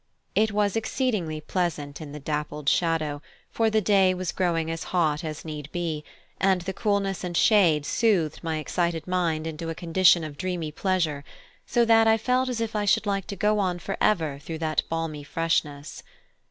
It was exceedingly pleasant in the dappled shadow, for the day was growing as hot as need be, and the coolness and shade soothed my excited mind into a condition of dreamy pleasure, so that I felt as if I should like to go on for ever through that balmy freshness.